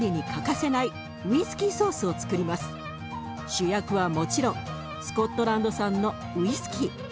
主役はもちろんスコットランド産のウイスキー。